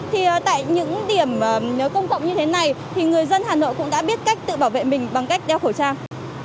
thì tại những điểm nếu công cộng như thế này thì người dân hà nội cũng đã biết cách tự bảo vệ mình bằng cách đeo khẩu trang